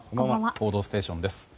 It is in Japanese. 「報道ステーション」です。